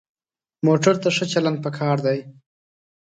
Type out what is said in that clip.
موټر ته ښه چلند پکار دی.